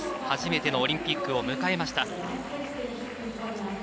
初めてのオリンピックを迎えました。